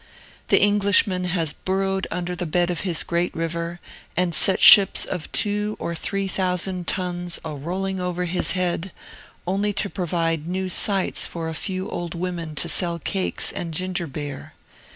The Englishman has burrowed under the bed of his great river, and set ships of two or three thousand tons a rolling over his head, only to provide new sites for a few old women to sell cakes and ginger beer!